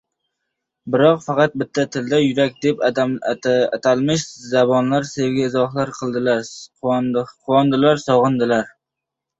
Biroq, faqat bitta tilda – yurak deb atalmish zabonda sevgi izhor qiladilar, quvonadilar, sog‘inadilar.